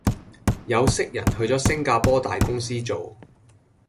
有識人去左星加坡大公司做